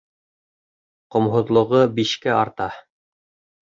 Ҡомһоҙлоғо бишкә арта.